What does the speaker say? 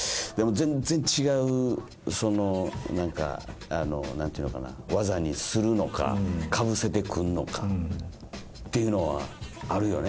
全然違う技にするのかかぶせてくるのかっていうのはあるよね。